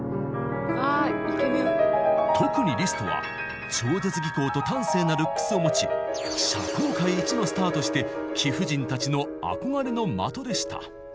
特にリストは超絶技巧と端正なルックスを持ち社交界一のスターとして貴婦人たちの憧れの的でした。